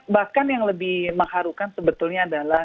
bahkan yang lebih mengharukan sebetulnya adalah